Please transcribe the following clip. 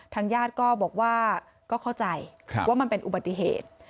ทางญาติก็บอกว่าก็เข้าใจว่ามันเป็นอุบัติเหตุ